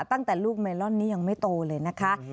ตั้งแต่ลูกเมลอนนี้ยังไม่โตเลยนะคะ